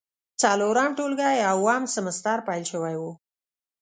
څلورم ټولګی او اووم سمستر پیل شوی و.